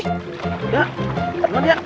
ya dimana dia